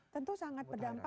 tentu sangat berdampak